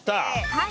はい。